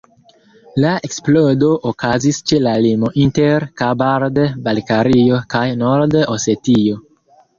La eksplodo okazis ĉe la limo inter Kabard-Balkario kaj Nord-Osetio.